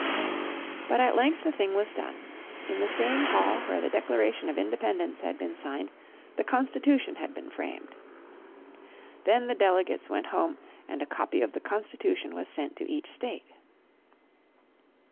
But at length the thing was done. In the same hall where the Declaration of Independence had been signed the Constitution had been framed. Then the delegates went home and a copy of the Constitution was sent to each state.